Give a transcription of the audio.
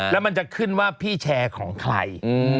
แล้วมันจะขึ้นว่าพี่แชร์ของใคร